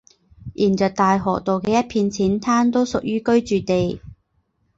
沿着大河道的一片浅滩都属于居住地。